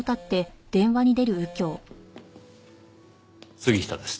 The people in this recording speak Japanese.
杉下です。